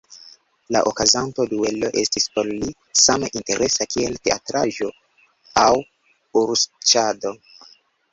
La okazonta duelo estis por li same interesa, kiel teatraĵo aŭ ursĉaso.